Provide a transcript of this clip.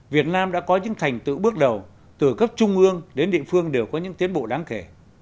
việt nam đã có những thành tựu bước đầu từ cấp trung ương đến địa phương đều có những tiến bộ đáng kể